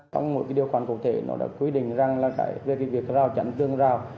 trong mỗi điều khoản cụ thể nó đã quy định rằng là cái việc rào trắng tương rào